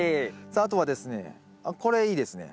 さああとはですねあっこれいいですね。